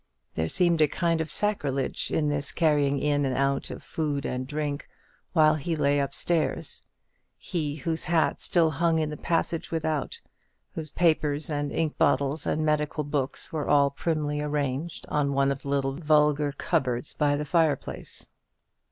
There seemed a kind of sacrilege in this carrying in and out of food and drink while he lay up stairs; he whose hat still hung in the passage without, whose papers and ink bottles and medical books were all primly arranged on one of the little vulgar cupboards by the fireplace.